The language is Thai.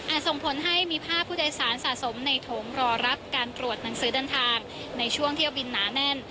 ส่งผลให้มีภาพผู้โดยสารสะสมในโถงรอรับการตรวจหนังสือเดินทางในช่วงเที่ยวบินหนาแน่น